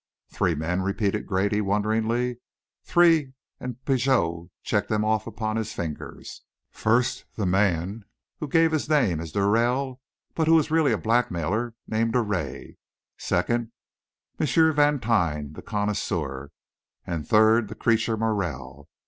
"Three men!" repeated Grady, wonderingly. "Three," and Pigot checked them off upon his fingers. "First the man who gave his name as d'Aurelle, but who was really a blackmailer named Drouet; second, M. Vantine, the connoisseur; and third, the creature Morel.